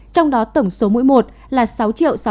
trong đó tổng số mũi một là